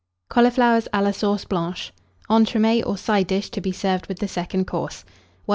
CAULIFLOWERS A LA SAUCE BLANCHE. (Entremets, or Side dish, to be served with the Second Course.) 1105.